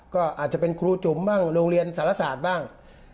ก็อาจจะเป็นครูจุ๋มบ้างโรงเรียนสารศาสตร์บ้าง